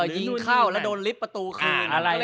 ยิงเข้าแล้วโดนลิฟต์ประตูคืน